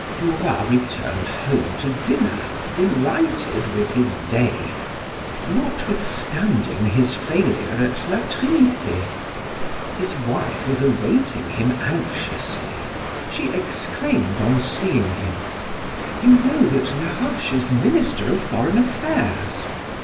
Du Roy returned home to dinner delighted with his day, notwithstanding his failure at La Trinite. His wife was awaiting him anxiously. She exclaimed on seeing him: "You know that Laroche is minister of foreign affairs."